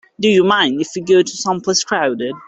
Do you mind if we go someplace crowded?